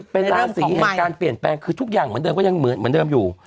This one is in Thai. เป็นราศีแห่งการเปลี่ยนแปลงคือทุกอย่างเหมือนเดิมก็ยังเหมือนเดิมอยู่